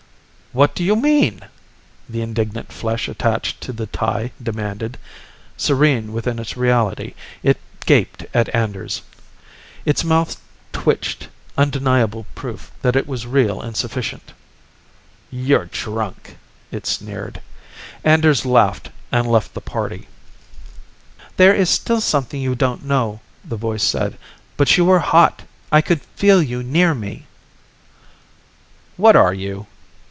"What do you mean?" the indignant flesh attached to the tie demanded. Serene within its reality, it gaped at Anders. Its mouth twitched, undeniable proof that it was real and sufficient. "You're drunk," it sneered. Anders laughed and left the party. "There is still something you don't know," the voice said. "But you were hot! I could feel you near me." "What are you?"